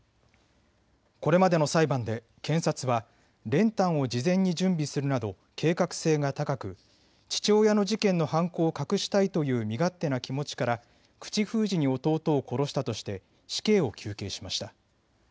これまでの裁判で検察は練炭を事前に準備するなど計画性が高く父親の事件の犯行を隠したいという身勝手な気持ちから口封じに弟を殺したとして死刑を求刑しました。